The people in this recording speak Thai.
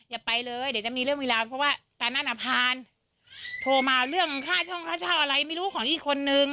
อย่าไปเลยเดี๋ยวจะมีเรื่องมีราวเพราะว่าตอนนั้นอ่ะพานโทรมาเรื่องค่าช่องค่าเช่าอะไรไม่รู้ของอีกคนนึง